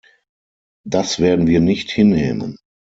Dass werden wir nicht hinnehmen.